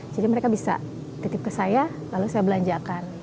jadi mereka bisa titip ke saya lalu saya belanjakan